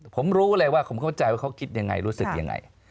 ผมรู้เลยว่าผมเข้าใจว่าเขาคิดยังไงรู้สึกยังไง